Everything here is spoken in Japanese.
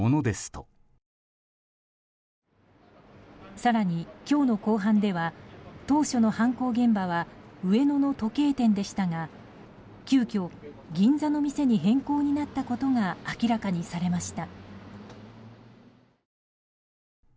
更に、今日の公判では当初の犯行現場は上野の時計店でしたが、急きょ銀座の店に変更になったことが明らかにされました。